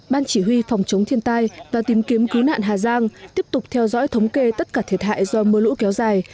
ban chỉ huy phòng chống thiên tai và tìm kiếm cứu nạn hà giang tiếp tục theo dõi thống kê tất cả thiệt hại do mưa lũ kéo dài